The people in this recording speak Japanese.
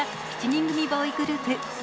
７人組ボーイグループ